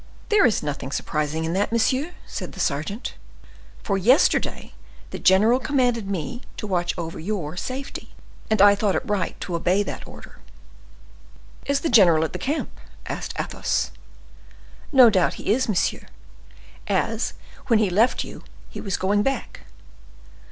"There is nothing surprising in that, monsieur," said the sergeant; "for yesterday the general commanded me to watch over your safety, and I thought it right to obey that order." "Is the general at the camp?" asked Athos. "No doubt he is, monsieur; as when he left you he was going back."